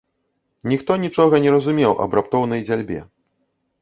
Ніхто нічога не разумеў аб раптоўнай дзяльбе.